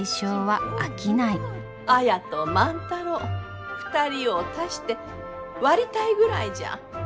綾と万太郎２人を足して割りたいぐらいじゃ。